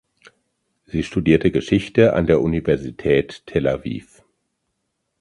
Sie studierte Geschichte an der Universität Tel Aviv.